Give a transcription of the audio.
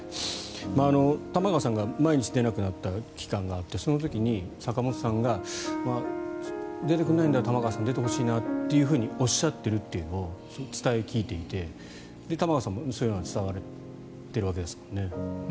玉川さんが毎日出なくなった期間があってその時に坂本さんが出てくれないんだ、玉川さん出てほしいなっておっしゃってるっていうのを伝え聞いていて玉川さんもそれが伝わっているわけですもんね。